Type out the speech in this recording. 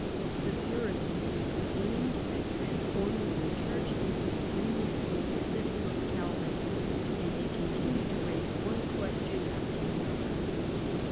The Puritans aimed at transforming the Church into agreement with the system of Calvin, and they continued to raise one question after another.